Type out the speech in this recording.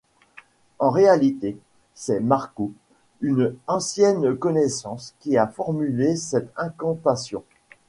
En réalité, c'est Marco, une ancienne connaissance, qui a formulé cette incantation.